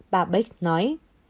bà beck nói